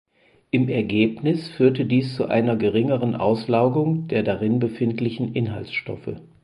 Im Ergebnis führt dies zu einer geringeren Auslaugung der darin befindlichen Inhaltsstoffe.